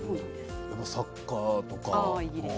サッカーとか？